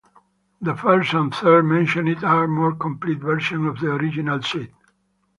The first and third mentioned are more complete versions of the original suite.